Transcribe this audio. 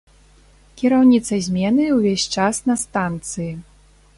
Кіраўніца змены ўвесь час на станцыі.